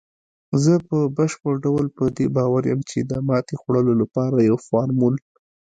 زه په بشپړ ډول په دې باور یم، چې د ماتې خوړلو لپاره یو فارمول